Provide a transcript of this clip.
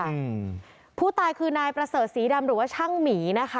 อืมผู้ตายคือนายประเสริฐศรีดำหรือว่าช่างหมีนะคะ